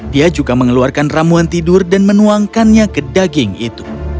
dia juga mengeluarkan ramuan tidur dan menuangkannya ke daging itu